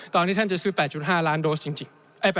ตอนนี้ท่านจะซื้อ๘๕ล้านโดสจริง